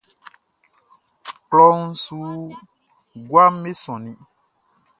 Klɔʼn su guaʼm be sonnin.